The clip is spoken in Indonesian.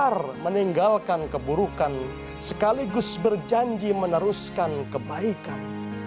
benar meninggalkan keburukan sekaligus berjanji meneruskan kebaikan